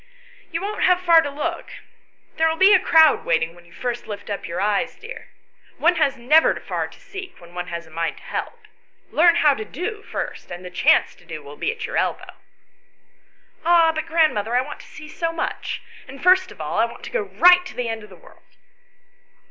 "You won't have far to look. There'll be a crowd waiting when you lift up your eyes, dear. One has never far to seek when one has a mind to 110 ANYHOW STORIES. [STORY help learn how to do first, and the chance to do will be at your elbow." " Ah, but, grandmother, I want to see so much, and first of all, I want to go right to the end of the world."